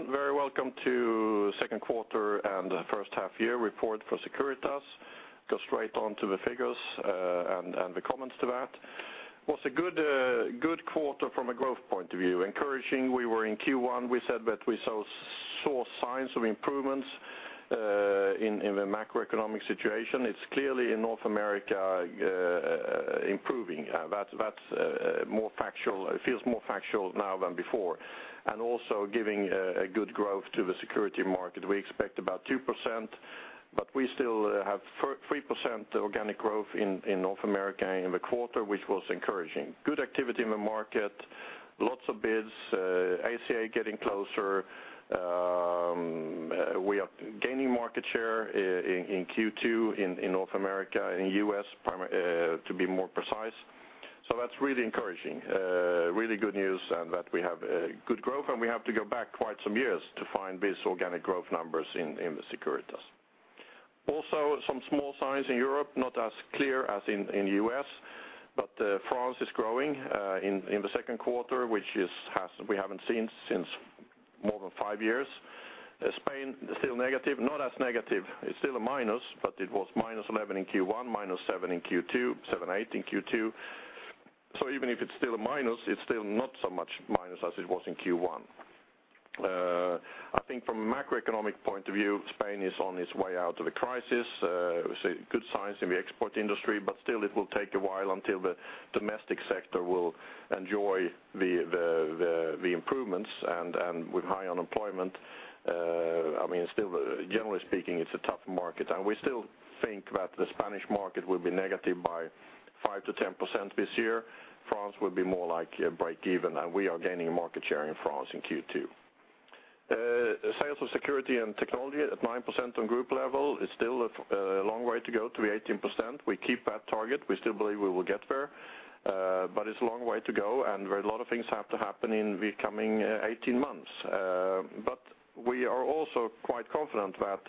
Hello, everyone. Very welcome to second quarter and first half year report for Securitas. Go straight on to the figures, and the comments to that. It was a good quarter from a growth point of view. Encouraging, in Q1 we said that we saw signs of improvements in the macroeconomic situation. It's clearly improving in North America. That's more factual; it feels more factual now than before, and also giving a good growth to the security market. We expect about 2%, but we still have 3% organic growth in North America in the quarter, which was encouraging. Good activity in the market, lots of bids, ACA getting closer. We are gaining market share in Q2 in North America in the U.S. to be more precise. So that's really encouraging. Really good news, and that we have good growth, and we have to go back quite some years to find these organic growth numbers in the Securitas. Also, some small signs in Europe, not as clear as in the U.S., but France is growing in the second quarter, which we haven't seen since more than five years. Spain, still negative, not as negative. It's still a minus, but it was minus 11% in Q1, minus 7%-8% in Q2. So even if it's still a minus, it's still not so much minus as it was in Q1. I think from a macroeconomic point of view, Spain is on its way out of the crisis. So good signs in the export industry, but still it will take a while until the domestic sector will enjoy the improvements and with high unemployment, I mean, still, generally speaking, it's a tough market. And we still think that the Spanish market will be negative by 5%-10% this year. France will be more like a break even, and we are gaining market share in France in Q2. Sales of security and technology at 9% on group level is still a long way to go to the 18%. We keep that target. We still believe we will get there, but it's a long way to go, and there are a lot of things have to happen in the coming 18 months. But we are also quite confident that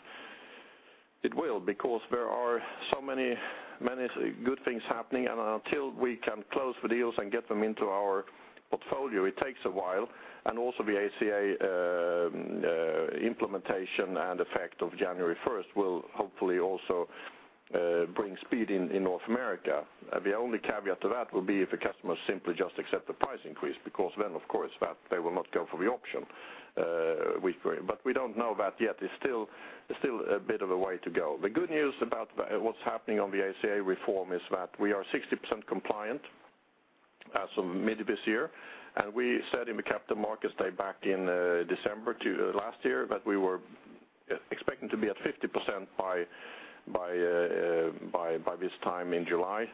it will, because there are so many, many good things happening, and until we can close the deals and get them into our portfolio, it takes a while. And also the ACA implementation and effect of January 1st will hopefully also bring speed in, in North America. The only caveat to that will be if the customers simply just accept the price increase, because then, of course, that they will not go for the option. But we don't know that yet. There's still, there's still a bit of a way to go. The good news about what's happening on the ACA reform is that we are 60% compliant as of mid this year, and we said in the Capital Markets Day back in December last year that we were expecting to be at 50% by this time in July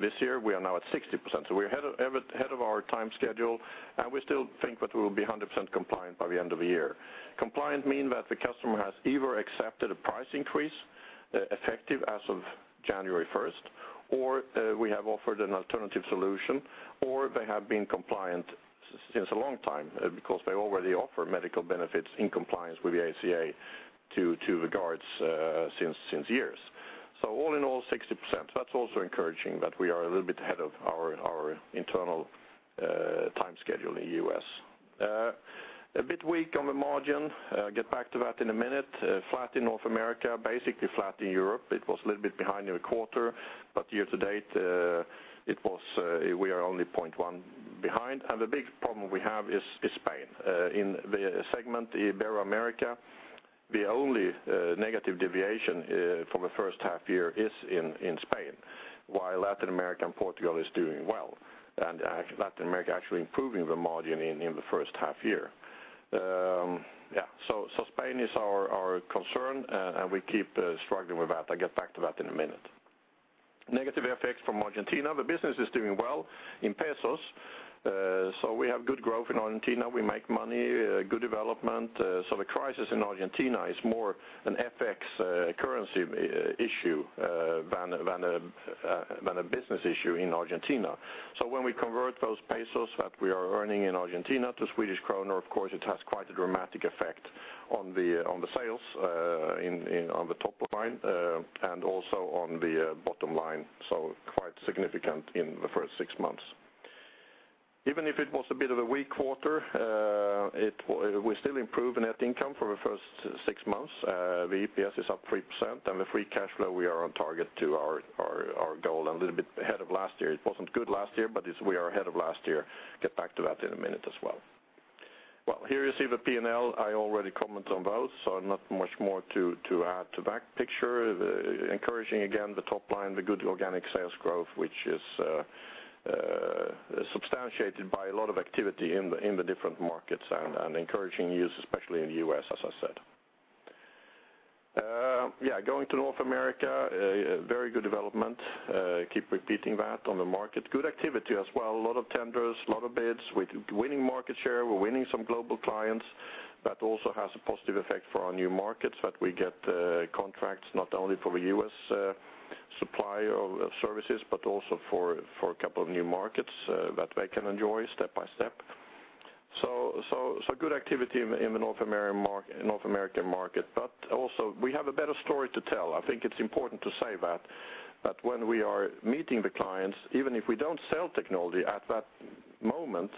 this year. We are now at 60%, so we're ahead of our time schedule, and we still think that we will be 100% compliant by the end of the year. Compliant mean that the customer has either accepted a price increase effective as of January 1st, or we have offered an alternative solution, or they have been compliant since a long time because they already offer medical benefits in compliance with the ACA to the guards since years. So all in all, 60%. That's also encouraging that we are a little bit ahead of our internal time schedule in the US. A bit weak on the margin, get back to that in a minute. Flat in North America, basically flat in Europe. It was a little bit behind in the quarter, but year to date, we are only 0.1 behind. The big problem we have is Spain. In the segment, Ibero-America, the only negative deviation from the first half year is in Spain, while Latin America and Portugal is doing well, and Latin America actually improving the margin in the first half year. Yeah, so Spain is our concern, and we keep struggling with that. I'll get back to that in a minute. Negative effects from Argentina. The business is doing well in pesos, so we have good growth in Argentina. We make money, good development. So the crisis in Argentina is more an FX currency issue than a business issue in Argentina. So when we convert those pesos that we are earning in Argentina to Swedish krona, of course, it has quite a dramatic effect on the sales on the top line and also on the bottom line, so quite significant in the first six months. Even if it was a bit of a weak quarter, we still improved net income for the first six months. The EPS is up 3%, and the free cash flow, we are on target to our goal, a little bit ahead of last year. It wasn't good last year, but it's—we are ahead of last year. Get back to that in a minute as well. Well, here you see the P&L. I already commented on those, so not much more to add to that picture. The encouraging, again, the top line, the good organic sales growth, which is substantiated by a lot of activity in the different markets and encouraging news, especially in the U.S., as I said. Yeah, going to North America, a very good development. Keep repeating that on the market. Good activity as well. A lot of tenders, a lot of bids. We're winning market share. We're winning some global clients. That also has a positive effect for our new markets, that we get contracts not only for the U.S. supply of services, but also for a couple of new markets that they can enjoy step by step. So good activity in the North American market, but also we have a better story to tell. I think it's important to say that... but when we are meeting the clients, even if we don't sell technology at that moment,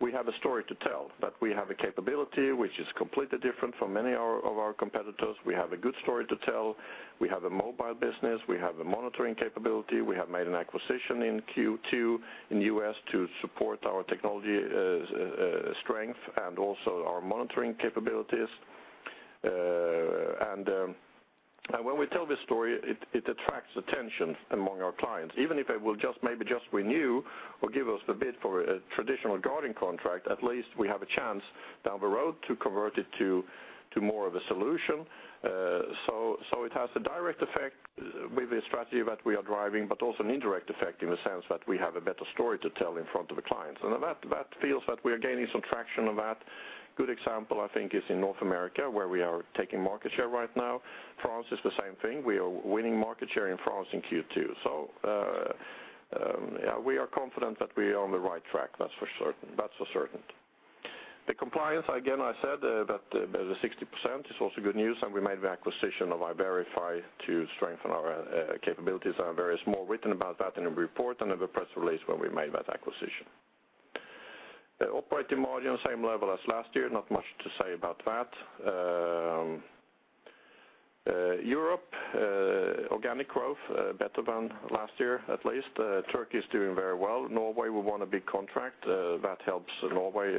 we have a story to tell, that we have a capability which is completely different from many of our competitors. We have a good story to tell. We have a mobile business. We have a monitoring capability. We have made an acquisition in Q2 in the U.S. to support our technology strength and also our monitoring capabilities. And when we tell this story, it, it attracts attention among our clients, even if it will just, maybe just renew or give us the bid for a traditional guarding contract, at least we have a chance down the road to convert it to, to more of a solution. So, so it has a direct effect with the strategy that we are driving, but also an indirect effect in the sense that we have a better story to tell in front of the clients. And that, that feels that we are gaining some traction on that. Good example, I think, is in North America, where we are taking market share right now. France is the same thing. We are winning market share in France in Q2. So, we are confident that we are on the right track. That's for certain, that's for certain. The compliance, again, I said, that the 60% is also good news, and we made the acquisition of iVerify to strengthen our capabilities. There is more written about that in the report and in the press release when we made that acquisition. The operating margin, same level as last year, not much to say about that. Europe, organic growth, better than last year, at least. Turkey is doing very well. Norway, we won a big contract, that helps Norway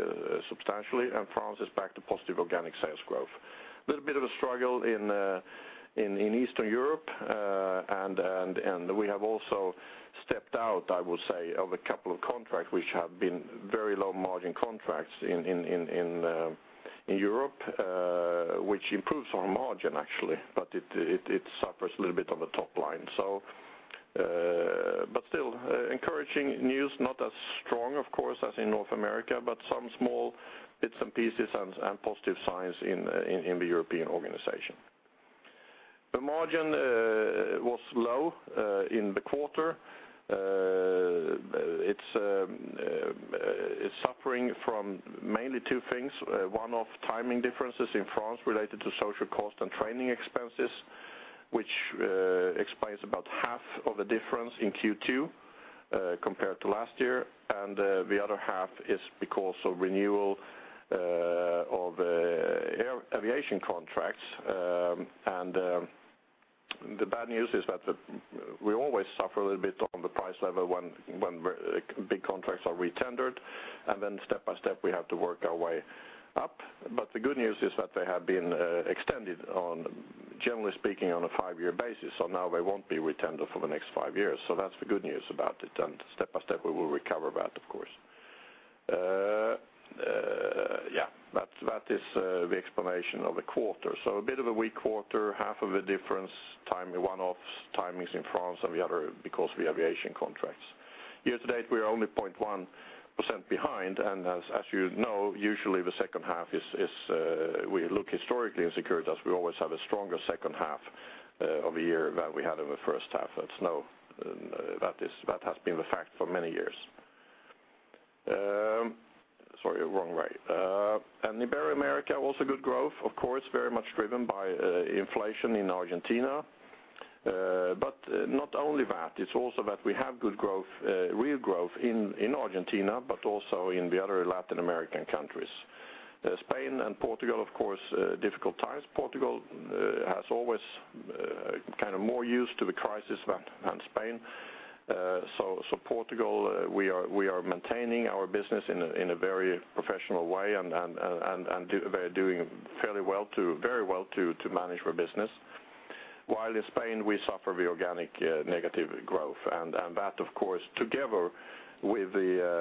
substantially, and France is back to positive organic sales growth. Little bit of a struggle in Eastern Europe, and we have also stepped out, I will say, of a couple of contracts which have been very low margin contracts in Europe, which improves our margin, actually, but it suffers a little bit on the top line. So, but still, encouraging news, not as strong, of course, as in North America, but some small bits and pieces and positive signs in the European organization. The margin was low in the quarter. It's suffering from mainly two things, one-off timing differences in France related to social cost and training expenses, which explains about half of the difference in Q2 compared to last year. The other half is because of renewal of aviation contracts. The bad news is that we always suffer a little bit on the price level when big contracts are re-tendered, and then step by step, we have to work our way up. But the good news is that they have been extended, generally speaking, on a five-year basis, so now they won't be re-tendered for the next five years. So that's the good news about it, and step by step, we will recover that, of course. Yeah, that is the explanation of the quarter. So a bit of a weak quarter, half of the difference, timing, one-offs, timings in France and the other because the aviation contracts. Year to date, we are only 0.1% behind, and as you know, usually the second half is we look historically in Securitas, we always have a stronger second half of the year than we had in the first half. That's no-- that is, that has been the fact for many years. Sorry, wrong way. And Ibero-America, also good growth, of course, very much driven by inflation in Argentina. But not only that, it's also that we have good growth real growth in Argentina, but also in the other Latin American countries. Spain and Portugal, of course, difficult times. Portugal has always kind of more used to the crisis than Spain. So, Portugal, we are maintaining our business in a very professional way and they're doing fairly well, very well to manage their business. While in Spain, we suffer the organic negative growth, and that of course, together with the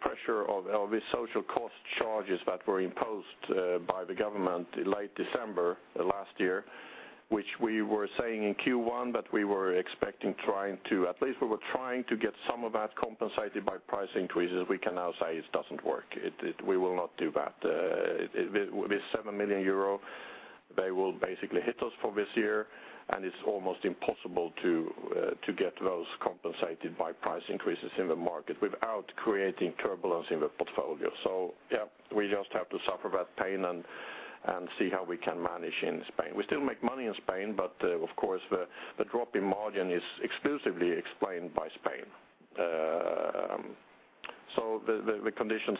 pressure of the social cost charges that were imposed by the government in late December of last year, which we were saying in Q1, that we were expecting, at least we were trying to get some of that compensated by price increases, we can now say it doesn't work. It, we will not do that. With 7 million euro, they will basically hit us for this year, and it's almost impossible to get those compensated by price increases in the market without creating turbulence in the portfolio. So, yeah, we just have to suffer that pain and see how we can manage in Spain. We still make money in Spain, but, of course, the drop in margin is exclusively explained by Spain. So the conditions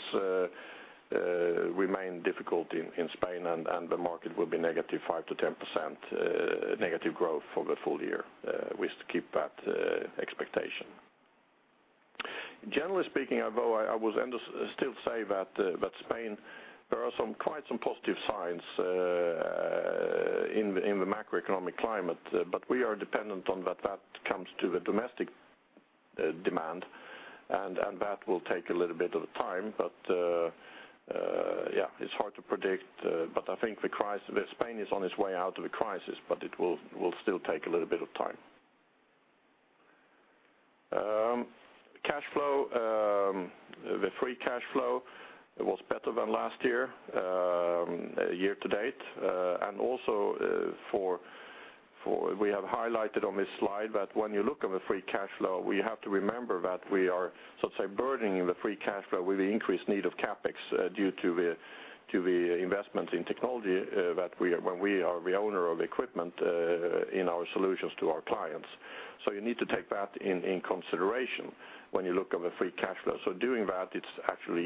remain difficult in Spain, and the market will be negative 5%-10% negative growth for the full year. We keep that expectation. Generally speaking, although I still say that in Spain there are quite some positive signs in the macroeconomic climate, but we are dependent on that coming to the domestic demand, and that will take a little bit of time. But yeah, it's hard to predict, but I think the crisis in Spain is on its way out of the crisis, but it will still take a little bit of time. Cash flow, the free cash flow was better than last year, year to date, and also for we have highlighted on this slide that when you look at the free cash flow, we have to remember that we are, so to say, burdening the free cash flow with the increased need of CapEx due to the investment in technology that we are, when we are the owner of equipment in our solutions to our clients. So you need to take that in consideration when you look at the free cash flow. So doing that, it's actually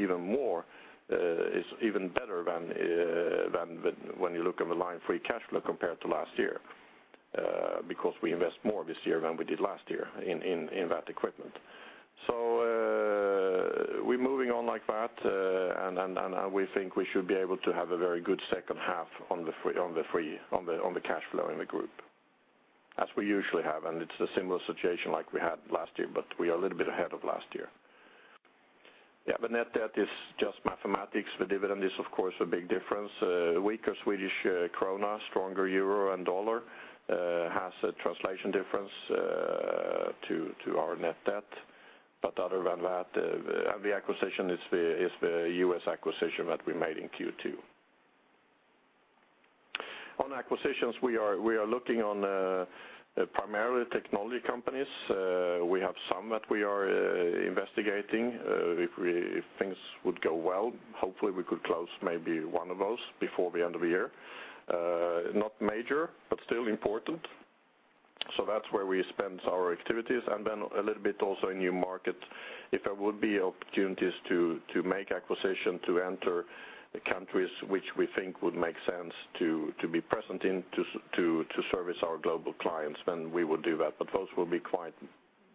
even more, it's even better than when you look at the line free cash flow compared to last year because we invest more this year than we did last year in that equipment. So, we're moving on like that, and we think we should be able to have a very good second half on the free cash flow in the group, as we usually have, and it's a similar situation like we had last year, but we are a little bit ahead of last year. Yeah, the net debt is just mathematics. The dividend is, of course, a big difference. Weaker Swedish krona, stronger euro and dollar, has a translation difference to our net debt. But other than that, and the acquisition is the US acquisition that we made in Q2. On acquisitions, we are looking on primarily technology companies. We have some that we are investigating. If things would go well, hopefully we could close maybe one of those before the end of the year. Not major, but still important. So that's where we spend our activities, and then a little bit also in new market. If there would be opportunities to make acquisition, to enter the countries which we think would make sense to be present in, to service our global clients, then we would do that, but those will be quite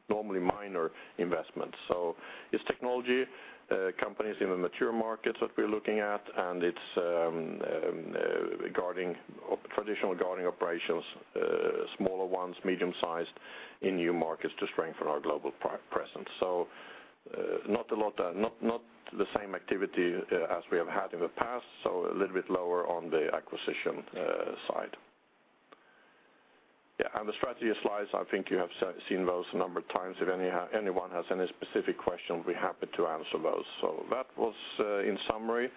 normally minor investments. So it's technology companies in the mature markets that we're looking at, and it's regarding traditional guarding operations, smaller ones, medium-sized, in new markets to strengthen our global presence. So, not a lot, not the same activity as we have had in the past, so a little bit lower on the acquisition side. Yeah, and the strategy slides, I think you have seen those a number of times. If anyone has any specific questions, we're happy to answer those. So that was, in summary,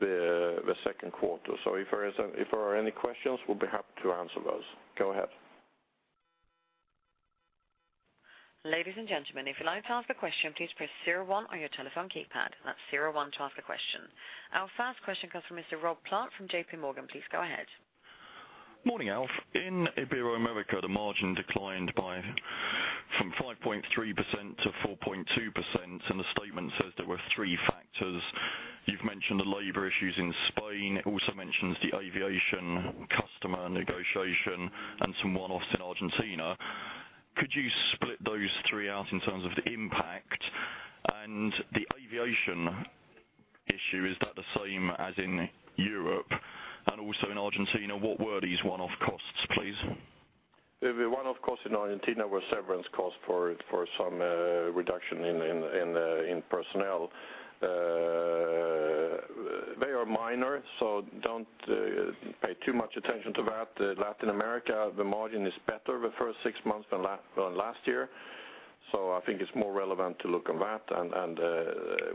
the second quarter. So if there is, if there are any questions, we'll be happy to answer those. Go ahead. Ladies and gentlemen, if you'd like to ask a question, please press zero one on your telephone keypad. That's zero one to ask a question. Our first question comes from Mr. Rob Plant from JPMorgan. Please go ahead. Morning, Alf. In Ibero-America, the margin declined from 5.3% to 4.2%, and the statement says there were three factors. You've mentioned the labor issues in Spain. It also mentions the aviation customer negotiation and some one-offs in Argentina. Could you split those three out in terms of the impact? And the aviation issue, is that the same as in Europe, and also in Argentina, what were these one-off costs, please? The one-off costs in Argentina were severance costs for some reduction in personnel. They are minor, so don't pay too much attention to that. Latin America, the margin is better the first six months than last year, so I think it's more relevant to look on that. And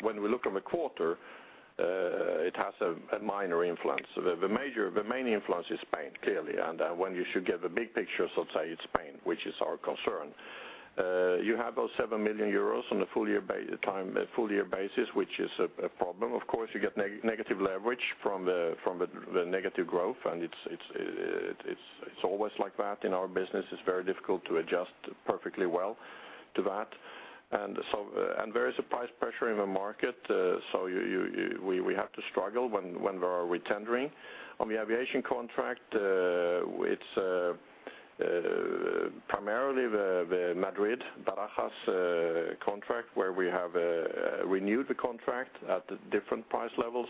when we look on the quarter, it has a minor influence. The major, the main influence is Spain, clearly, and when you should give a big picture, so to say, it's Spain, which is our concern. You have those 7 million euros on a full year basis, which is a problem. Of course, you get negative leverage from the negative growth, and it's always like that in our business. It's very difficult to adjust perfectly well to that. And so, there is a price pressure in the market, so we have to struggle when we are retendering. On the aviation contract, it's primarily the Madrid Barajas contract, where we have renewed the contract at different price levels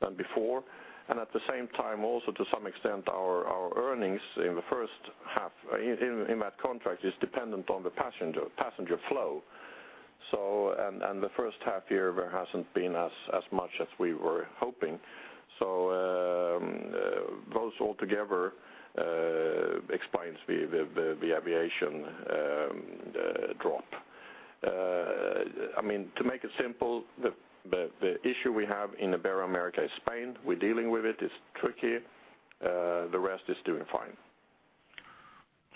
than before. And at the same time, also to some extent, our earnings in the first half, in that contract, is dependent on the passenger flow. So, the first half year, there hasn't been as much as we were hoping. So, those all together explains the aviation drop. I mean, to make it simple, the issue we have in Ibero-America is Spain. We're dealing with it. It's tricky. The rest is doing fine.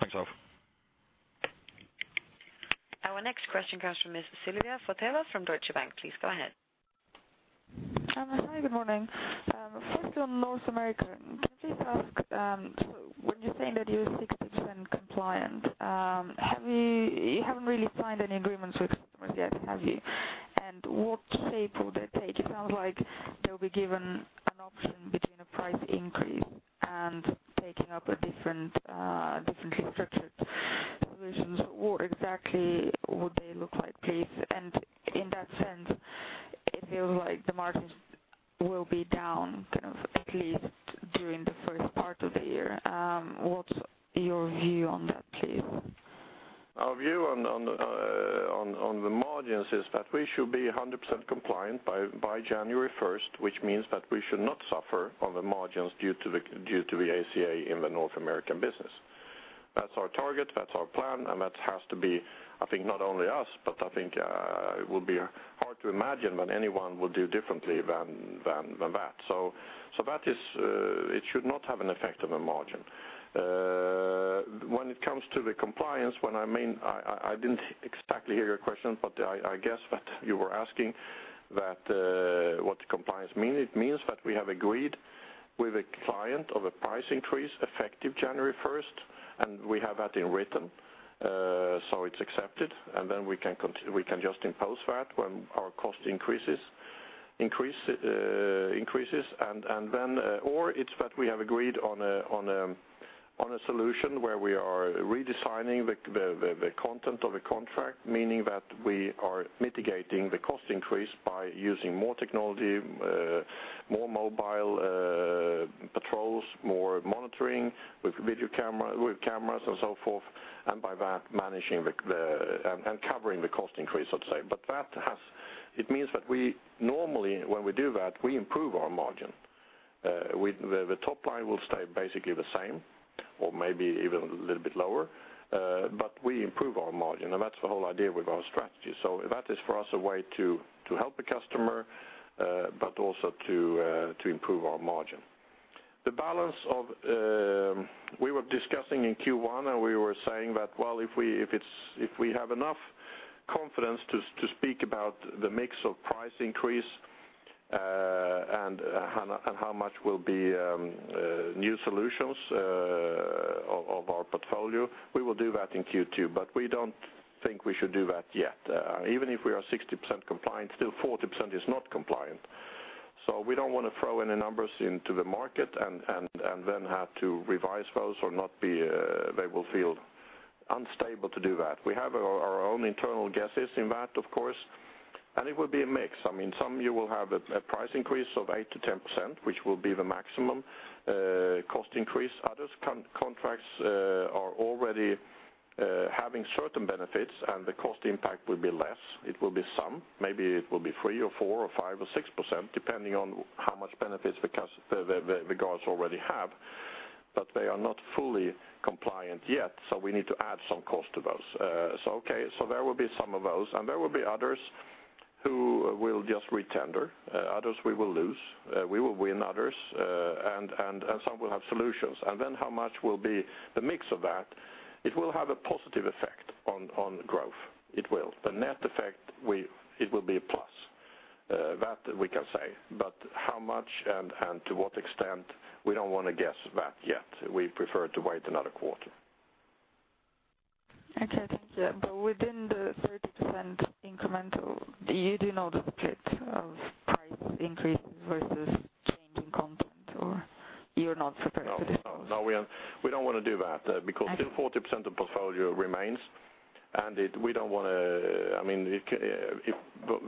Thanks, Alf. Our next question comes from Ms. Sylvia Barker from Deutsche Bank. Please go ahead. Hi, good morning. First on North America, can you please ask, so when you're saying that you're 6% compliant, you haven't really signed any agreements with customers yet, have you? And what shape will they take? It sounds like they'll be given an option between a price increase and taking up a different, differently structured positions. What exactly would they look like, please? And in that sense, it feels like the margins will be down, kind of, at least during the first part of the year. What's your view on that, please? Our view on the margins is that we should be 100% compliant by January first, which means that we should not suffer on the margins due to the ACA in the North American business. That's our target, that's our plan, and that has to be, I think, not only us, but I think it would be hard to imagine that anyone would do differently than that. So that is, it should not have an effect on the margin. When it comes to the compliance, when I mean I didn't exactly hear your question, but I guess that you were asking that what the compliance mean. It means that we have agreed with a client of a price increase effective January first, and we have that in written. So it's accepted, and then we can continue. We can just impose that when our cost increases, and then. Or it's that we have agreed on a solution where we are redesigning the content of a contract, meaning that we are mitigating the cost increase by using more technology, more mobile patrols, more monitoring with video camera, with cameras and so forth, and by that managing the and covering the cost increase, I'd say. But that has. It means that we normally, when we do that, we improve our margin. The top line will stay basically the same or maybe even a little bit lower, but we improve our margin, and that's the whole idea with our strategy. So that is for us a way to help the customer, but also to improve our margin. The balance of we were discussing in Q1, and we were saying that, well, if we have enough confidence to speak about the mix of price increase, and how much will be new solutions of our portfolio, we will do that in Q2, but we don't think we should do that yet. Even if we are 60% compliant, still 40% is not compliant. So we don't want to throw any numbers into the market and then have to revise those or not be they will feel unstable to do that. We have our own internal guesses in that, of course, and it will be a mix. I mean, some you will have a price increase of 8%-10%, which will be the maximum cost increase. Other contracts are already having certain benefits, and the cost impact will be less. It will be some, maybe it will be 3% or 4% or 5% or 6%, depending on how much benefits the the guards already have. But they are not fully compliant yet, so we need to add some cost to those. So okay, so there will be some of those, and there will be others who will just retender, others we will lose, we will win others, and some will have solutions. And then how much will be the mix of that? It will have a positive effect on growth. It will. The net effect, we, it will be a plus. That we can say, but how much and to what extent, we don't want to guess that yet. We prefer to wait another quarter. Okay, thank you. But within the 30% incremental, you do know the split of price increases versus changing content, or you're not prepared to discuss? No, no. We don't want to do that, because... Okay. Still 40% of portfolio remains, and it—we don't want to... I mean, if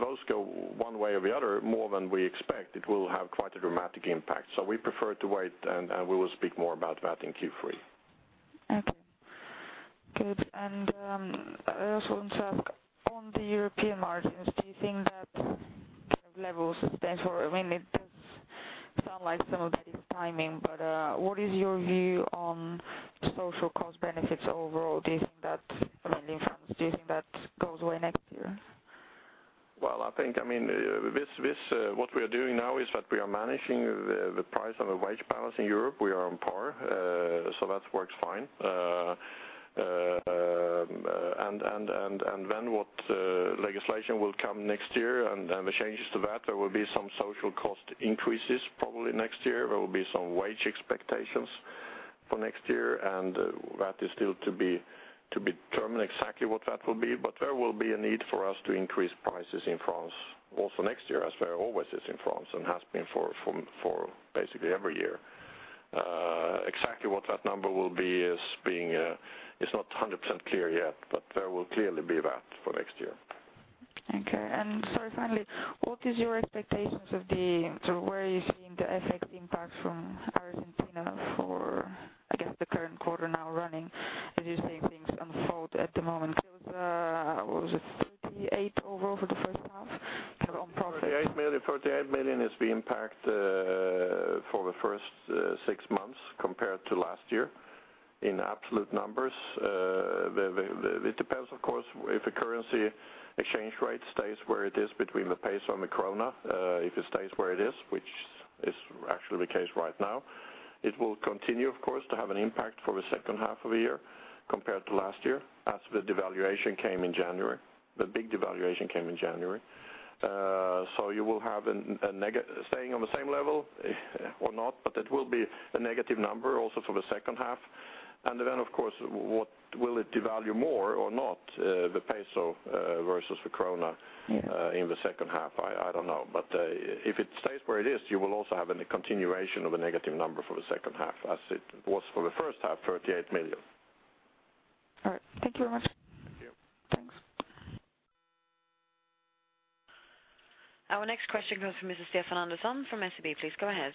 those go one way or the other, more than we expect, it will have quite a dramatic impact. So we prefer to wait, and we will speak more about that in Q3. Okay. Good. And, I also want to ask, on the European margins, do you think that level sustainable? I mean, it does sound like some of that is timing, but, what is your view on social cost benefits overall? Do you think that, I mean, in France, do you think that goes away next year? Well, I think, I mean, this what we are doing now is that we are managing the price and the wage balance in Europe. We are on par, so that works fine. And then what legislation will come next year and the changes to that, there will be some social cost increases probably next year. There will be some wage expectations for next year, and that is still to be determined exactly what that will be. But there will be a need for us to increase prices in France also next year, as there always is in France and has been for basically every year. Exactly what that number will be is not 100% clear yet, but there will clearly be that for next year. Okay. Sorry, finally, what is your expectations of the—so where are you seeing the effect impact from Argentina for, I guess, the current quarter now running, as you're seeing things unfold at the moment? Because, what was it, 38 million overall for the first half on profit. 48 million, 48 million is the impact for the first six months compared to last year. In absolute numbers, it depends, of course, if the currency exchange rate stays where it is between the peso and the krona. If it stays where it is, which is actually the case right now, it will continue, of course, to have an impact for the second half of the year compared to last year, as the devaluation came in January. The big devaluation came in January. So you will have a negative staying on the same level or not, but it will be a negative number also for the second half. And then, of course, what will it devalue more or not, the peso versus the corona in the second half? I don't know. If it stays where it is, you will also have a continuation of a negative number for the second half, as it was for the first half, -38 million. All right. Thank you very much. Thank you. Thanks. Our next question comes from Mr. Stefan Andersson from SEB. Please go ahead.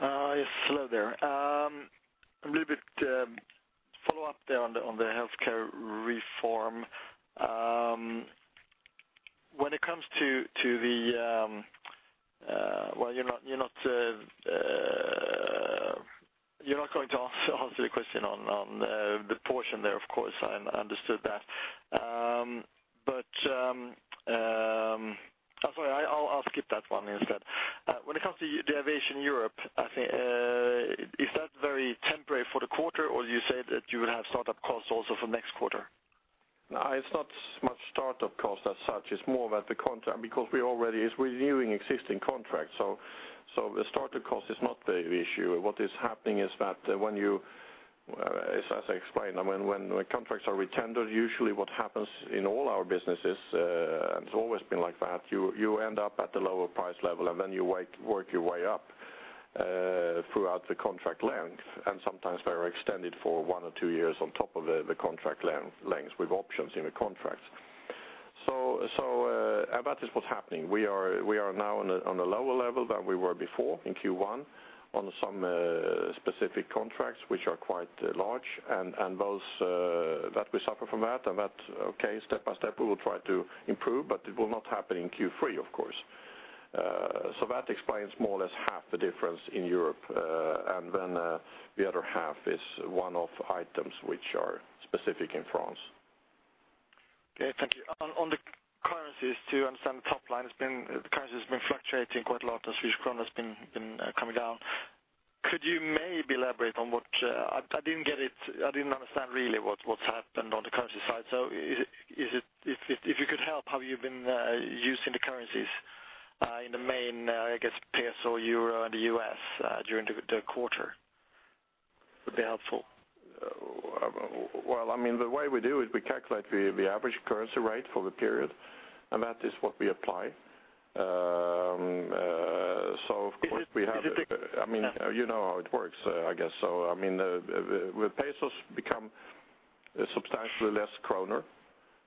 Yes, hello there. A little bit follow-up there on the healthcare reform. When it comes to the, well, you're not going to answer the question on the portion there, of course. I understood that. But skip that one instead. When it comes to the Aviation Europe, I think is that very temporary for the quarter, or you say that you will have start-up costs also for next quarter? No, it's not much start-up costs as such, it's more about the contract, because we already is reviewing existing contracts. So the start-up cost is not the issue. What is happening is that, as I explained, I mean, when contracts are retendered, usually what happens in all our businesses, and it's always been like that, you end up at the lower price level, and then you work your way up throughout the contract length, and sometimes they are extended for one or two years on top of the contract length with options in the contracts. So that is what's happening. We are now on a lower level than we were before in Q1, on some specific contracts, which are quite large and those that we suffer from that, and that, okay, step by step, we will try to improve, but it will not happen in Q3, of course. So that explains more or less half the difference in Europe, and then the other half is one-off items which are specific in France. Okay, thank you. On the currencies, to understand the top line, it's been the currency has been fluctuating quite a lot, the Swedish krona has been coming down. Could you maybe elaborate on what I didn't get it, I didn't understand really what's happened on the currency side. So is it, if you could help, how you've been using the currencies in the main, I guess, peso, euro, and the US during the quarter, would be helpful. Well, I mean, the way we do it, we calculate the average currency rate for the period, and that is what we apply. So of course we have- Is it- I mean, you know how it works, I guess so. I mean, the pesos become substantially less kroner,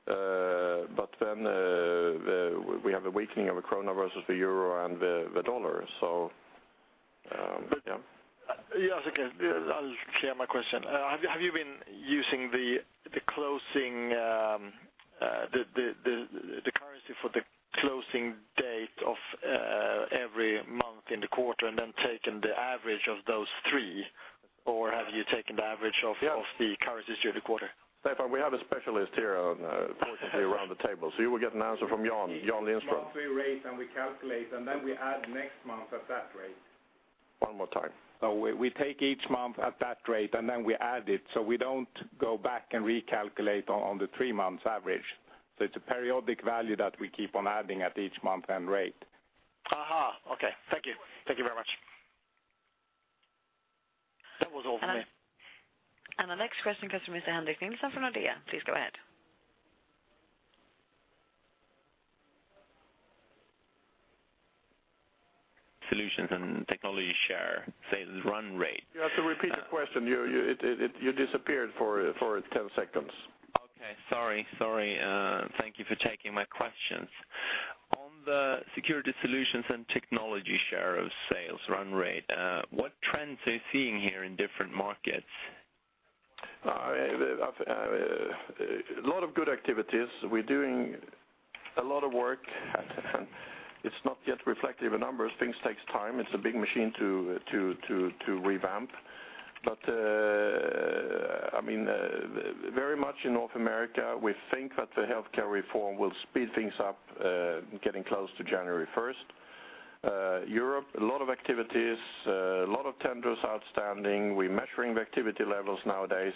but then, we have a weakening of the krona versus the euro and the dollar, so, yeah. Yes, okay. I'll clear my question. Have you been using the closing currency for the closing date of every month in the quarter, and then taking the average of those three? Or have you taken the average of- Yeah... of the currencies during the quarter? Stefan, we have a specialist here, fortunately around the table, so you will get an answer from Jan, Jan Lindström. Monthly rate, and we calculate, and then we add next month at that rate. One more time. So we take each month at that rate, and then we add it, so we don't go back and recalculate on the three-month average. So it's a periodic value that we keep on adding at each month-end rate. Aha! Okay. Thank you. Thank you very much. That was all for me. Our next question comes from Mr. Henrik Nilsson from Nordea. Please go ahead. Solutions and technology share, sales run rate. You have to repeat the question. You disappeared for 10 seconds. Okay, sorry, sorry. Thank you for taking my questions. On the security solutions and technology share of sales run rate, what trends are you seeing here in different markets? A lot of good activities. We're doing a lot of work, and it's not yet reflected in the numbers. Things takes time. It's a big machine to revamp. But I mean, very much in North America, we think that the healthcare reform will speed things up, getting close to January first. Europe, a lot of activities, a lot of tenders outstanding. We're measuring the activity levels nowadays,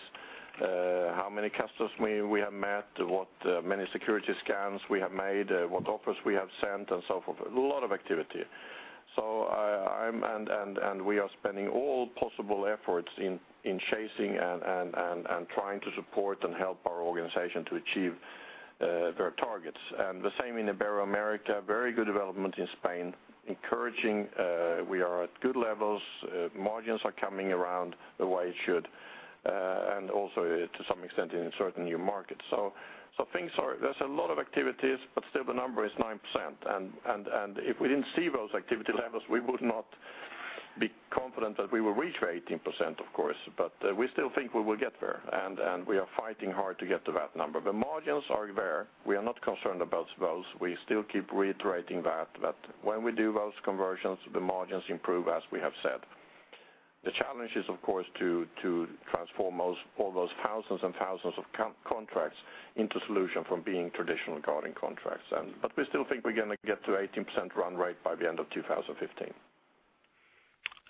how many customers we have met, what many security scans we have made, what offers we have sent, and so forth. A lot of activity. So I... And we are spending all possible efforts in chasing and trying to support and help our organization to achieve their targets. The same in Ibero-America, very good development in Spain, encouraging, we are at good levels, margins are coming around the way it should, and also to some extent in certain new markets. So things are. There's a lot of activities, but still the number is 9%. And if we didn't see those activity levels, we would not be confident that we will reach 18%, of course, but we still think we will get there, and we are fighting hard to get to that number. The margins are there. We are not concerned about those. We still keep reiterating that, but when we do those conversions, the margins improve, as we have said. The challenge is, of course, to transform those, all those thousands and thousands of contracts into solution from being traditional guarding contracts but we still think we're gonna get to 18% run rate by the end of 2015.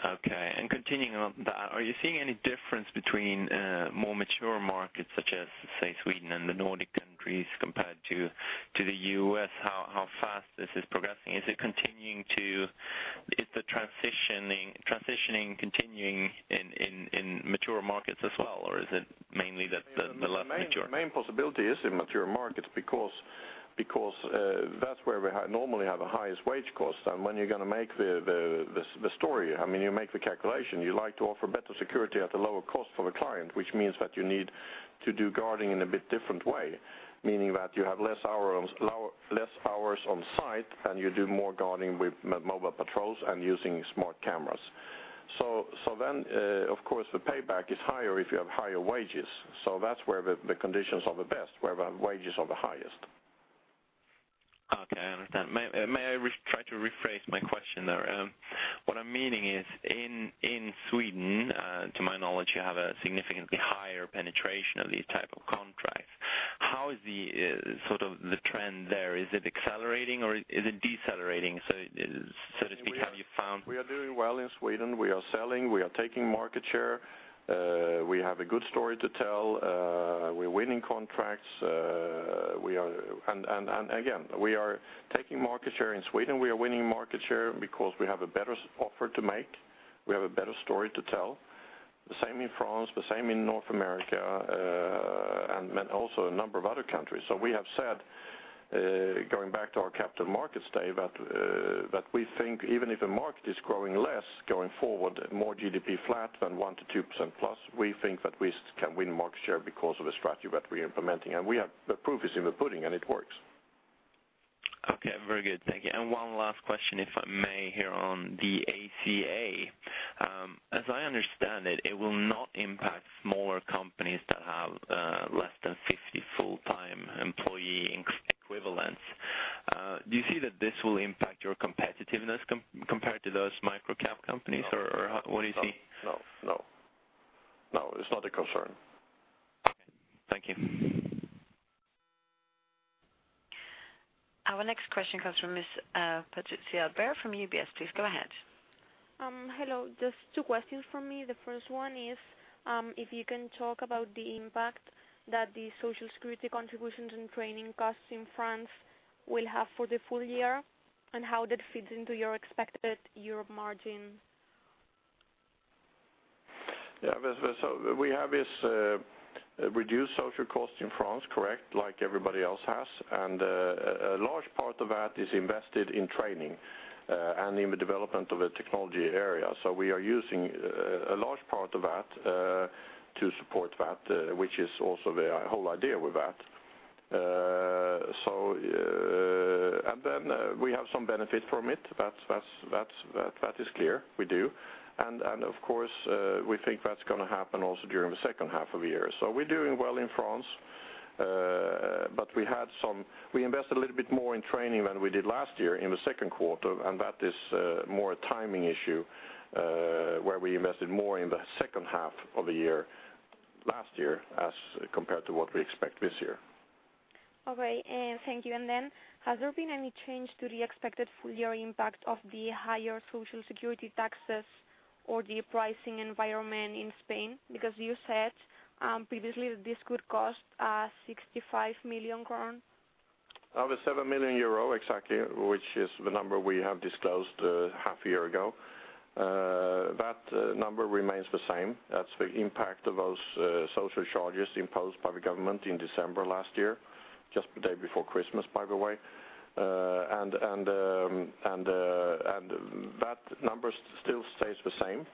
Okay, and continuing on that, are you seeing any difference between more mature markets such as, say, Sweden and the Nordic countries, compared to the U.S., how fast this is progressing? Is the transitioning continuing in mature markets as well, or is it mainly the less mature? The main possibility is in mature markets because that's where we have, normally have the highest wage costs. And when you're gonna make the story, I mean, you make the calculation, you like to offer better security at a lower cost for the client, which means that you need to do guarding in a bit different way. Meaning that you have less hours on site, and you do more guarding with mobile patrols and using smart cameras. So then, of course, the payback is higher if you have higher wages. So that's where the conditions are the best, where the wages are the highest. Okay, I understand. May, may I re- try to rephrase my question there? What I'm meaning is, in, in Sweden, to my knowledge, you have a significantly higher penetration of these type of contracts-...How is the, sort of the trend there? Is it accelerating or is it decelerating, so, so to speak, have you found? We are doing well in Sweden. We are selling, we are taking market share. We have a good story to tell. We're winning contracts, and, and, and again, we are taking market share in Sweden. We are winning market share because we have a better offer to make. We have a better story to tell. The same in France, the same in North America, and also a number of other countries. So we have said, going back to our capital markets day, that we think even if the market is growing less going forward, more GDP flat than 1%-2% plus, we think that we can win market share because of the strategy that we are implementing. And we have the proof is in the pudding, and it works. Okay, very good. Thank you. And one last question, if I may, here on the ACA. As I understand it, it will not impact smaller companies that have less than 50 full-time employee equivalence. Do you see that this will impact your competitiveness compared to those micro-cap companies, or what do you see? No, no. No, it's not a concern. Thank you. Our next question comes from Ms., Patricia Albert from UBS. Please go ahead. Hello. Just two questions from me. The first one is, if you can talk about the impact that the Social Security contributions and training costs in France will have for the full year, and how that fits into your expected Europe margin? Yeah, but so we have is reduced social costs in France, correct, like everybody else has. And a large part of that is invested in training and in the development of a technology area. So we are using a large part of that to support that, which is also the whole idea with that. So and then we have some benefit from it. That's, that's, that is clear. We do. And of course we think that's going to happen also during the second half of the year. We're doing well in France, but we invested a little bit more in training than we did last year in the second quarter, and that is more a timing issue, where we invested more in the second half of the year last year, as compared to what we expect this year. All right, thank you. Then, has there been any change to the expected full year impact of the higher Social Security taxes or the pricing environment in Spain? Because you said, previously that this could cost 65 million crown. Over 7 million euro, exactly, which is the number we have disclosed, half a year ago. That number remains the same. That's the impact of those social charges imposed by the government in December last year, just the day before Christmas, by the way. And that number still stays the same.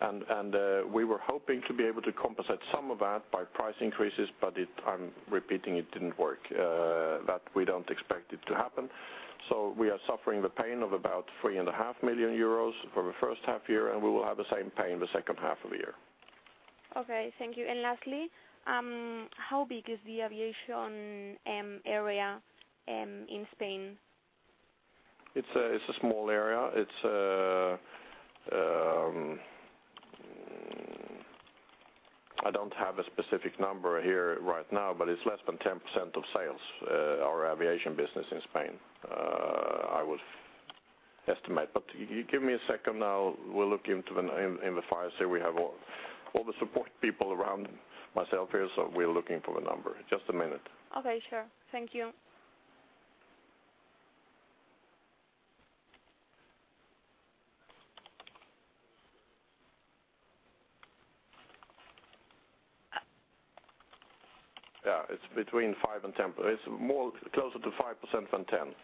And we were hoping to be able to compensate some of that by price increases, but it, I'm repeating, it didn't work. That we don't expect it to happen. So we are suffering the pain of about 3.5 million euros for the first half year, and we will have the same pain the second half of the year. Okay, thank you. And lastly, how big is the aviation area in Spain? It's a small area. I don't have a specific number here right now, but it's less than 10% of sales, our aviation business in Spain, I would estimate. But give me a second now. We'll look into the files here. We have all the support people around myself here, so we're looking for the number. Just a minute. Okay, sure. Thank you. Yeah, it's between 5%-10%. It's more closer to 5% than 10%.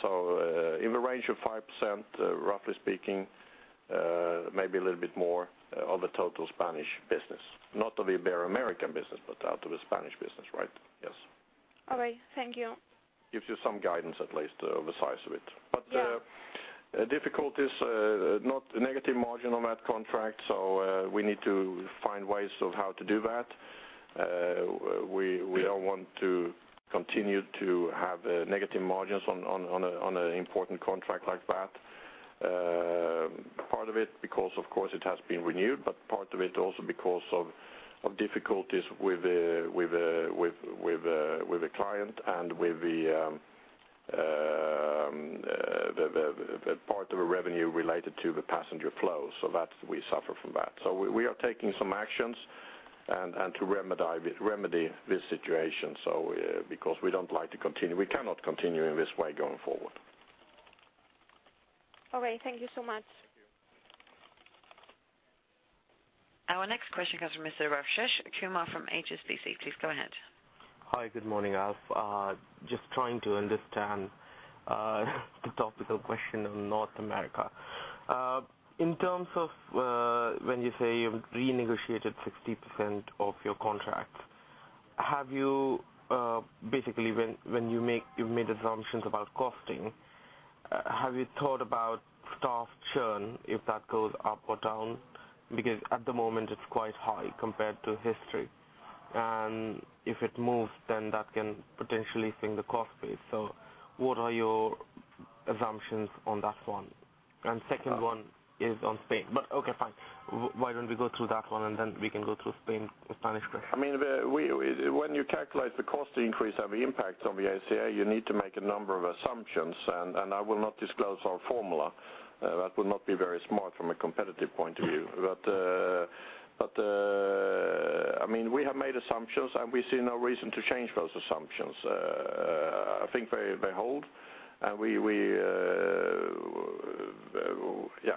So, in the range of 5%, roughly speaking, maybe a little bit more of the total Spanish business, not of Ibero-American business, but out of the Spanish business, right? Yes. All right. Thank you. Gives you some guidance, at least, the size of it. Yeah. But difficulties, not negative margin on that contract, so we need to find ways of how to do that. We don't want to continue to have negative margins on an important contract like that. Part of it because, of course, it has been renewed, but part of it also because of difficulties with the client and with the part of the revenue related to the passenger flow. So that's—we suffer from that. So we are taking some actions and to remedy this situation. So, because we don't like to continue, we cannot continue in this way going forward. All right. Thank you so much. Thank you. Our next question comes from Mr. Rajesh Kumar from HSBC. Please go ahead. Hi, good morning, Alf. Just trying to understand the topical question on North America. In terms of, when you say you've renegotiated 60% of your contracts, have you basically, when you've made assumptions about costing, have you thought about staff churn, if that goes up or down? Because at the moment, it's quite high compared to history, and if it moves, then that can potentially swing the cost base. So what are your assumptions on that one? And second one is on Spain, but okay, fine. Why don't we go through that one, and then we can go through Spain, the Spanish question? I mean, when you calculate the cost increase and the impact on the ACA, you need to make a number of assumptions, and I will not disclose our formula. That would not be very smart from a competitive point of view. But I mean, we have made assumptions, and we see no reason to change those assumptions. I think they hold, and yeah,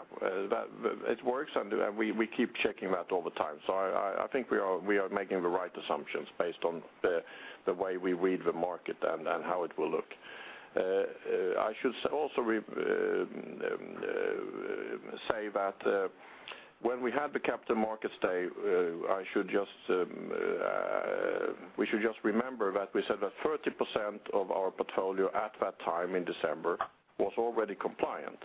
it works, and we keep checking that all the time. So I think we are making the right assumptions based on the way we read the market and how it will look. I should also say that when we had the capital markets day, we should just remember that we said that 30% of our portfolio at that time in December was already compliant,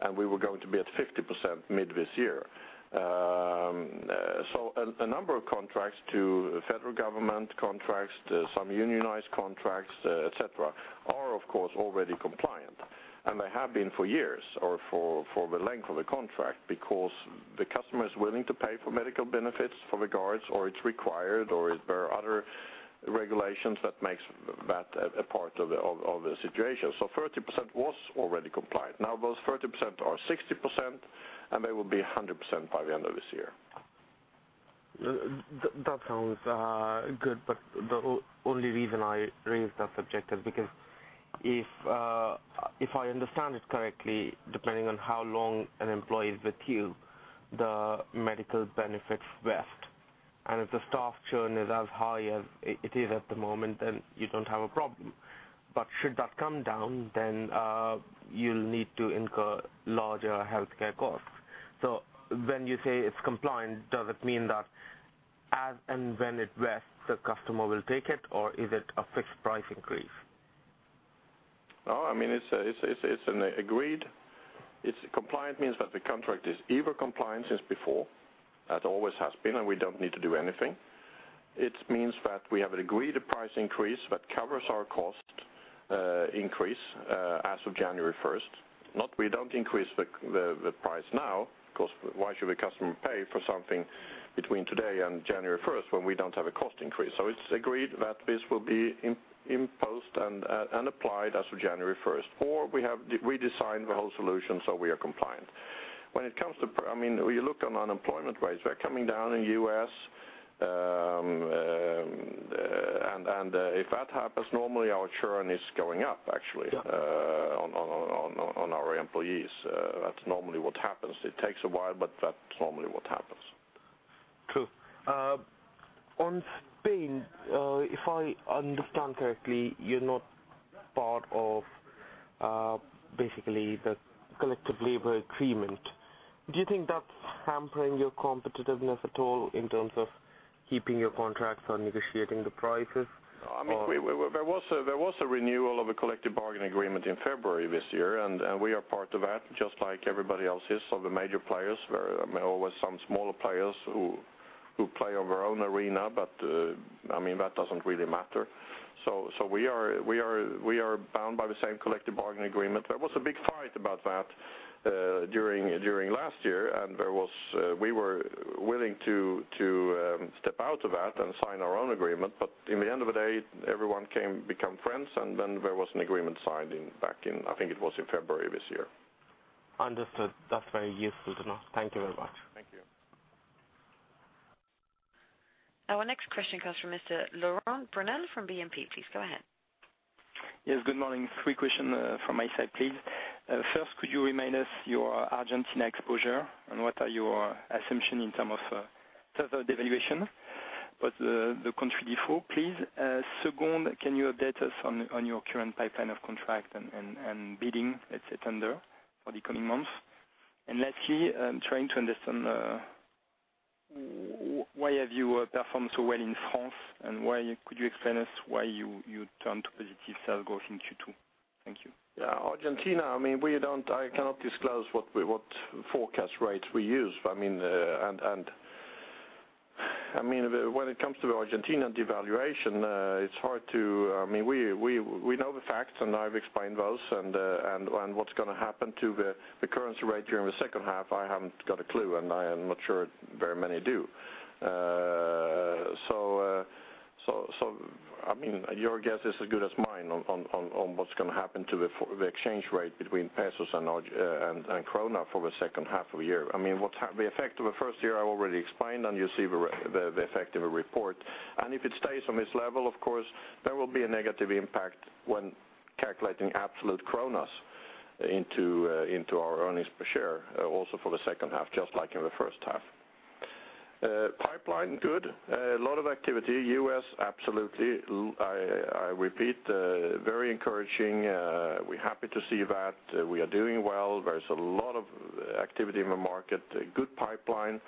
and we were going to be at 50% mid this year. So a number of contracts to federal government contracts, to some unionized contracts, et cetera, are, of course, already compliant, and they have been for years or for the length of the contract because the customer is willing to pay for medical benefits for the guards, or it's required, or there are other regulations that makes that a part of the situation. So 30% was already compliant. Now, those 30% are 60%, and they will be 100% by the end of this year. That sounds good, but the only reason I raised that subject is because if I understand it correctly, depending on how long an employee is with you, the medical benefits vest, and if the staff churn is as high as it is at the moment, then you don't have a problem. But should that come down, then you'll need to incur larger healthcare costs. So when you say it's compliant, does it mean that as and when it vests, the customer will take it, or is it a fixed price increase? No, I mean, it's an agreed... It's compliant means that the contract is either compliant since before, that always has been, and we don't need to do anything. It means that we have agreed a price increase that covers our cost increase as of January first. Not we don't increase the price now, 'cause why should the customer pay for something between today and January first when we don't have a cost increase? So it's agreed that this will be imposed and applied as of January first, or we have... We designed the whole solution, so we are compliant. When it comes to, I mean, you look on unemployment rates, they're coming down in U.S., and if that happens, normally our churn is going up, actually- Yeah... on our employees. That's normally what happens. It takes a while, but that's normally what happens. Cool. On Spain, if I understand correctly, you're not part of, basically the collective labor agreement. Do you think that's hampering your competitiveness at all in terms of keeping your contracts or negotiating the prices or? I mean, there was a renewal of a collective bargaining agreement in February this year, and we are part of that, just like everybody else is, so the major players. There are always some smaller players who play of their own arena, but I mean, that doesn't really matter. So we are bound by the same collective bargaining agreement. There was a big fight about that during last year, and there was... We were willing to step out of that and sign our own agreement, but in the end of the day, everyone came, become friends, and then there was an agreement signed back in, I think it was in February this year. Understood. That's very useful to know. Thank you very much. Thank you. Our next question comes from Mr. Laurent Brunelle from BNP. Please go ahead. Yes, good morning. Three question from my side, please. First, could you remind us your Argentina exposure, and what are your assumption in term of further devaluation, but the country default, please? Second, can you update us on your current pipeline of contract and bidding, let's say, tender for the coming months? And lastly, I'm trying to understand why have you performed so well in France, and why could you explain us why you turned to positive sales growth in Q2? Thank you. Yeah, Argentina, I mean, we don't I cannot disclose what we, what forecast rates we use. I mean, when it comes to Argentina devaluation, it's hard to, I mean, we know the facts, and I've explained those, and what's gonna happen to the currency rate during the second half, I haven't got a clue, and I am not sure very many do. So, I mean, your guess is as good as mine on what's gonna happen to the exchange rate between pesos and krona for the second half of the year. I mean, the effect of the first year I already explained, and you see the effect of the report. And if it stays on this level, of course, there will be a negative impact when calculating absolute kronas into our earnings per share, also for the second half, just like in the first half. Pipeline, good. A lot of activity. U.S., absolutely. I repeat, very encouraging. We're happy to see that. We are doing well. There's a lot of activity in the market, a good pipeline,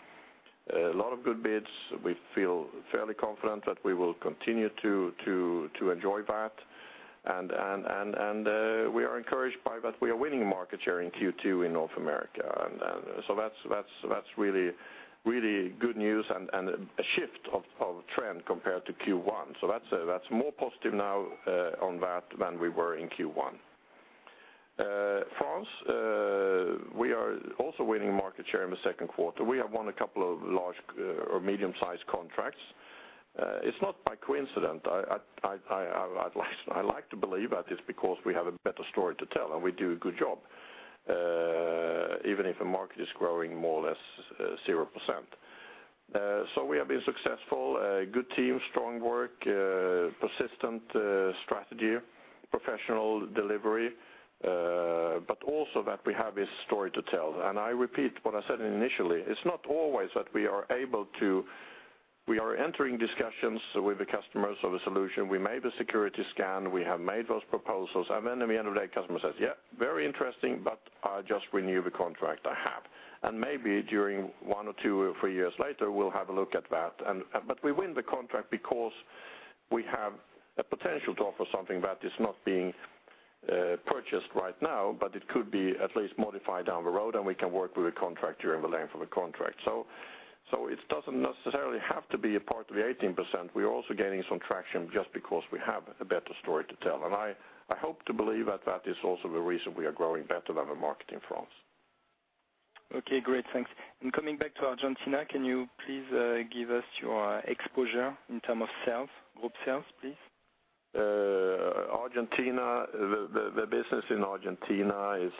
a lot of good bids. We feel fairly confident that we will continue to enjoy that, and we are encouraged by that we are winning market share in Q2 in North America. And so that's really good news and a shift of trend compared to Q1. So that's more positive now on that than we were in Q1. France, we are also winning market share in the second quarter. We have won a couple of large, or medium-sized contracts. It's not by coincidence. I'd like, I like to believe that it's because we have a better story to tell, and we do a good job, even if the market is growing more or less, 0%. So we have been successful, a good team, strong work, persistent, strategy, professional delivery, but also that we have a story to tell. And I repeat what I said initially, it's not always that we are able to-- We are entering discussions with the customers of a solution. We made a security scan, we have made those proposals, and then at the end of the day, customer says, "Yeah, very interesting, but I just renewed the contract I have. And maybe during one or two or three years later, we'll have a look at that." And, but we win the contract because we have the potential to offer something that is not being purchased right now, but it could be at least modified down the road, and we can work with a contractor in the length of a contract. So, so it doesn't necessarily have to be a part of the 18%. We're also gaining some traction just because we have a better story to tell. And I, I hope to believe that that is also the reason we are growing better than the market in France. Okay, great. Thanks. And coming back to Argentina, can you please, give us your exposure in terms of sales, group sales, please? Argentina, the business in Argentina is..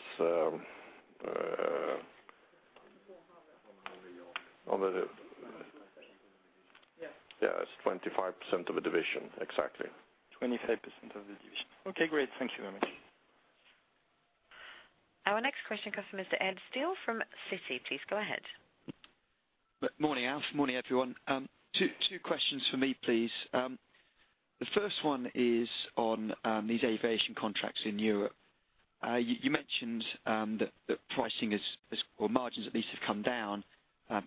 Over the.. Yeah, it's 25% of the division. Exactly. 25% of the division. Okay, great. Thank you very much. Our next question comes from Mr. Ed Steele from Citi. Please go ahead. Morning, Alf. Morning, everyone. Two questions for me, please. The first one is on these aviation contracts in Europe. You mentioned that pricing is, or margins at least have come down,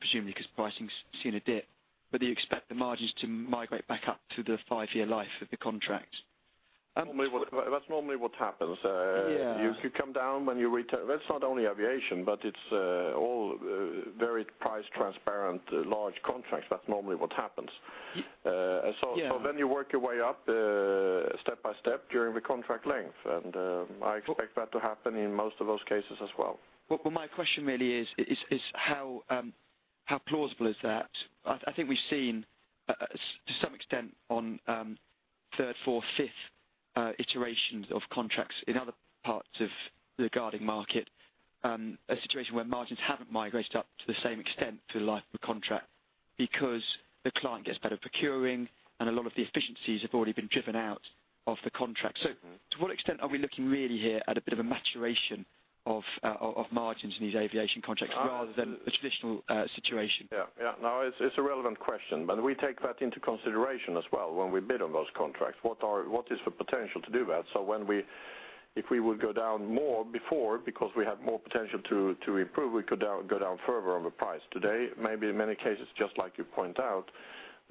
presumably because pricing's seen a dip. But do you expect the margins to migrate back up to the five-year life of the contract? That's normally what happens. Yeah. You could come down when you return. That's not only aviation, but it's all very price transparent, large contracts. That's normally what happens. Yeah. So then you work your way up, step by step during the contract length, and I expect that to happen in most of those cases as well. But my question really is how plausible is that? I think we've seen, to some extent on third, fourth, fifth iterations of contracts in other parts of the guarding market, a situation where margins haven't migrated up to the same extent through the life of a contract because the client gets better procuring, and a lot of the efficiencies have already been driven out of the contract. Mm-hmm. So to what extent are we looking really here at a bit of a maturation of margins in these aviation contracts rather than the traditional situation? Yeah. Yeah. No, it's a relevant question, but we take that into consideration as well when we bid on those contracts. What is the potential to do that? So when we... If we would go down more before, because we have more potential to improve, we could go down further on the price. Today, maybe in many cases, just like you point out,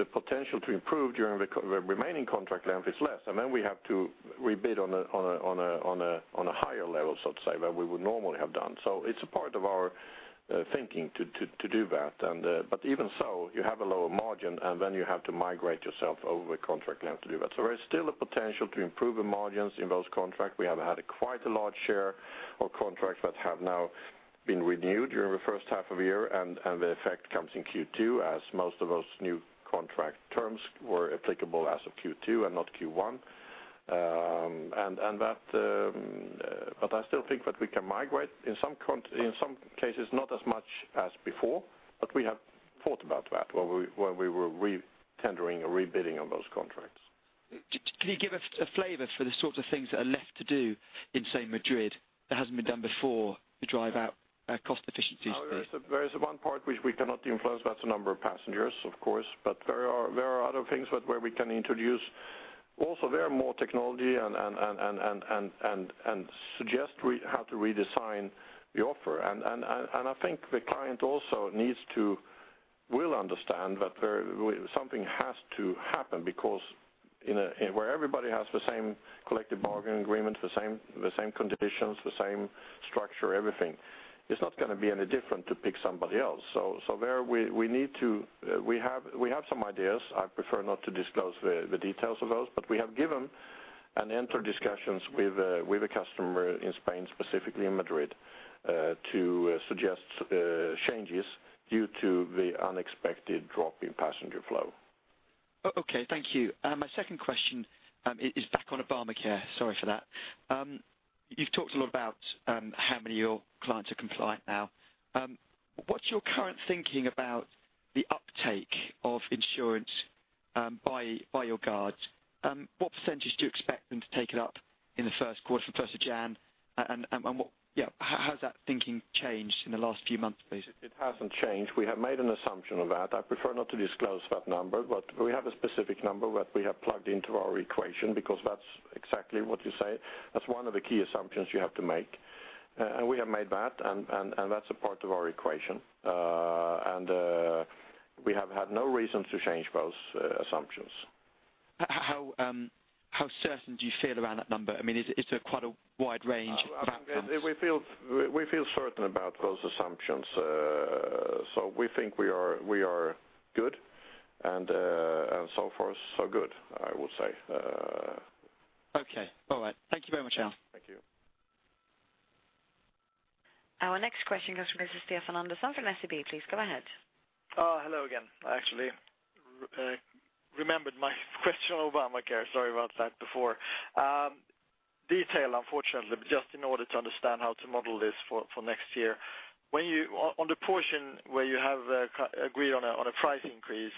the potential to improve during the remaining contract length is less, and then we have to rebid on a higher level, so to say, than we would normally have done. So it's a part of our thinking to do that, but even so, you have a lower margin, and then you have to migrate yourself over the contract length to do that. So there is still a potential to improve the margins in those contracts. We have had quite a large share of contracts that have now been renewed during the first half of the year, and the effect comes in Q2, as most of those new contract terms were applicable as of Q2 and not Q1. But I still think that we can migrate in some cases, not as much as before, but we have thought about that when we were re-tendering or rebidding on those contracts. Can you give us a flavor for the sorts of things that are left to do in, say, Madrid, that hasn't been done before to drive out cost efficiencies? There is one part which we cannot influence. That's the number of passengers, of course, but there are other things where we can introduce. Also, there are more technology and suggest we have to redesign the offer. And I think the client also will understand that there, something has to happen, because in a where everybody has the same collective bargaining agreement, the same conditions, the same structure, everything, it's not going to be any different to pick somebody else. So there we need to. We have some ideas i prefer not to disclose the details of those, but we have given and entered discussions with a customer in Spain, specifically in Madrid, to suggest changes due to the unexpected drop in passenger flow. Okay. Thank you. My second question is back on Obamacare. Sorry for that. You've talked a lot about how many of your clients are compliant now. What's your current thinking about the uptake of insurance by your guards? What percentage do you expect them to take it up in the first quarter from first of Jan, and what, yeah, how has that thinking changed in the last few months, please? It hasn't changed. We have made an assumption of that. I prefer not to disclose that number, but we have a specific number that we have plugged into our equation because that's exactly what you say. That's one of the key assumptions you have to make. We have made that, and that's a part of our equation. We have had no reason to change those assumptions. How, how certain do you feel around that number? I mean, is there quite a wide range about that? We feel certain about those assumptions. So we think we are good... and so far, so good, I would say. Okay, all right. Thank you very much, Jan. Thank you. Our next question comes from Mr. Stefan Andersson from SEB. Please go ahead. Hello again. I actually remembered my question on Obamacare. Sorry about that before. Unfortunately, just in order to understand how to model this for next year. When you on the portion where you have agreed on a price increase,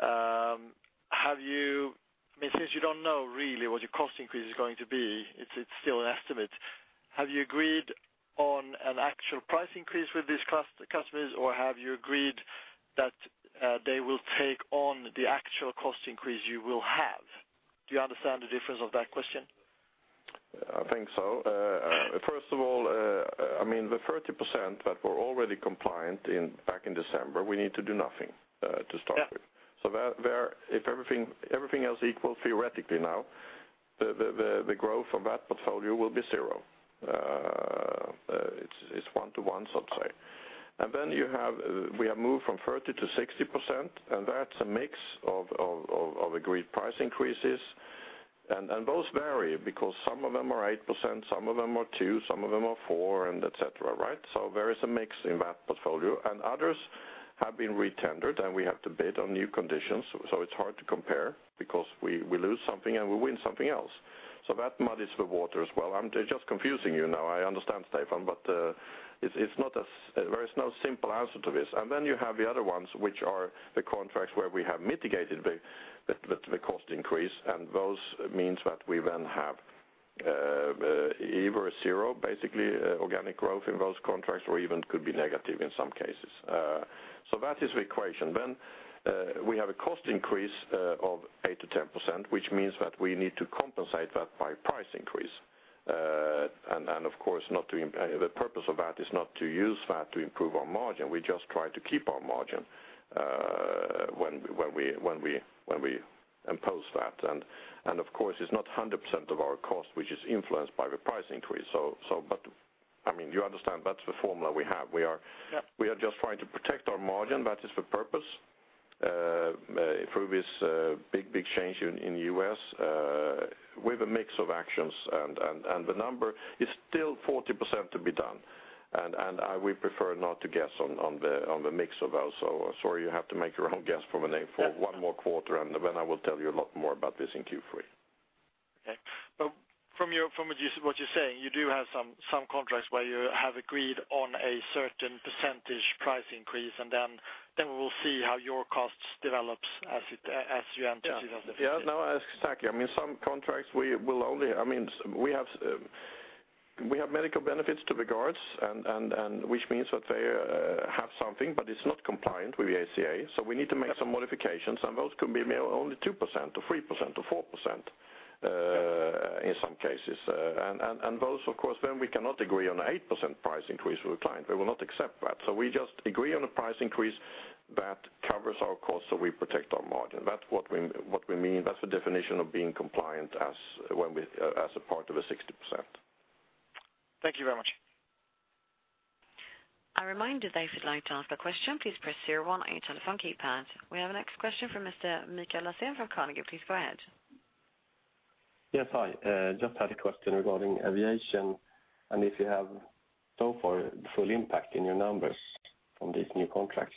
have you, I mean, since you don't know really what your cost increase is going to be, it's still an estimate. Have you agreed on an actual price increase with these customers, or have you agreed that they will take on the actual cost increase you will have? Do you understand the difference of that question? I think so. First of all, I mean, the 30% that were already compliant, back in December, we need to do nothing, to start with. Yeah. So there, if everything else equal, theoretically now, the growth of that portfolio will be zero. It's one to one, so to say. And then you have—we have moved from 30 to 60%, and that's a mix of agreed price increases. And those vary, because some of them are 8%, some of them are 2%, some of them are 4%, and et cetera, right? So there is a mix in that portfolio, and others have been re-tendered, and we have to bid on new conditions. So it's hard to compare because we lose something, and we win something else. So that muddies the waters. Well, I'm just confusing you now. I understand, Stefan, but it's not as—there is no simple answer to this. And then you have the other ones, which are the contracts where we have mitigated the cost increase, and those means that we then have either a zero, basically, organic growth in those contracts, or even could be negative in some cases. So that is the equation. Then we have a cost increase of 8%-10%, which means that we need to compensate that by price increase. And of course, not to im- the purpose of that is not to use that to improve our margin. We just try to keep our margin when we impose that. And of course, it's not 100% of our cost, which is influenced by the price increase. So but, I mean, you understand that's the formula we have. We are- Yeah. We are just trying to protect our margin. That is the purpose. Through this big, big change in the U.S., with a mix of actions, the number is still 40% to be done. And I would prefer not to guess on the mix of those. So sorry, you have to make your own guess for the name for one more quarter, and then I will tell you a lot more about this in Q3. Okay. But from what you're saying, you do have some contracts where you have agreed on a certain percentage price increase, and then we will see how your costs develops as you enter 2015. Yeah, no, exactly. I mean, some contracts we will only... I mean, we have medical benefits to the guards and which means that they have something, but it's not compliant with the ACA. So we need to make some modifications, and those can be only 2% to 3% to 4% in some cases. Those, of course, then we cannot agree on an 8% price increase with the client. We will not accept that. So we just agree on a price increase that covers our costs, so we protect our margin. That's what we mean. That's the definition of being compliant as a part of a 60%. Thank you very much. A reminder that if you'd like to ask a question, please press zero one on your telephone keypad. We have our next question from Mr. Mikael Laséen from Carnegie. Please go ahead. Yes, hi. Just had a question regarding aviation, and if you have, so far, the full impact in your numbers on these new contracts?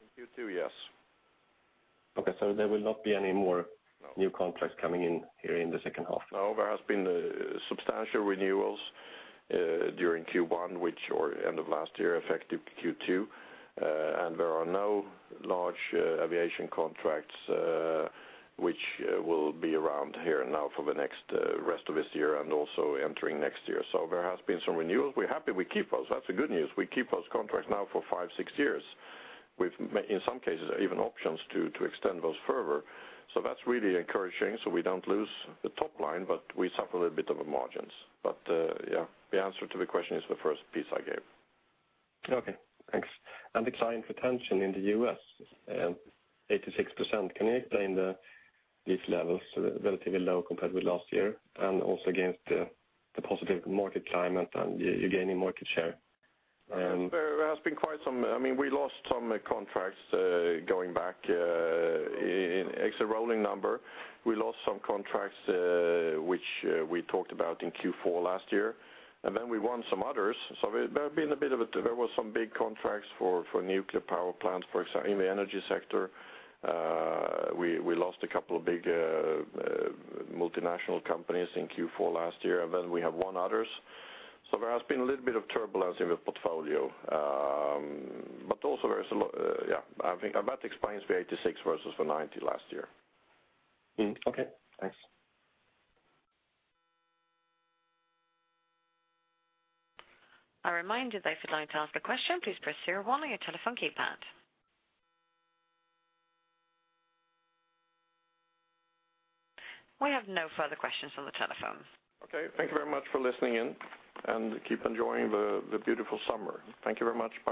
In Q2, yes. Okay, so there will not be any more new contracts coming in here in the second half? No, there has been substantial renewals during Q1, which or end of last year, effective Q2. And there are no large aviation contracts which will be around here now for the next rest of this year and also entering next year. So there has been some renewals. We're happy we keep those. That's the good news. We keep those contracts now for five, six years, with in some cases, even options to extend those further. So that's really encouraging, so we don't lose the top line, but we suffer a bit of the margins. But yeah, the answer to the question is the first piece I gave. Okay, thanks. And the client retention in the US, 86%. Can you explain the, these levels, relatively low compared with last year, and also against the, the positive market climate and you, you gaining market share? And- There has been quite some... I mean, we lost some contracts going back in; it's a rolling number. We lost some contracts, which we talked about in Q4 last year, and then we won some others. So there have been a bit of it. There were some big contracts for nuclear power plants in the energy sector. We lost a couple of big multinational companies in Q4 last year, and then we have won others. So there has been a little bit of turbulence in the portfolio, but also there's a yeah, I think that explains the 86 versus the 90 last year. Mm, okay. Thanks. A reminder that if you'd like to ask a question, please press zero one on your telephone keypad. We have no further questions on the telephone. Okay. Thank you very much for listening in, and keep enjoying the beautiful summer. Thank you very much. Bye.